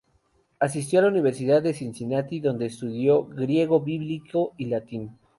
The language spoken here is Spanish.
Asistió a la Universidad de Cincinnati, donde estudió griego bíblico y latín.